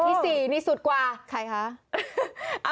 คนที่๔นี่สูตรกว่าใครคะ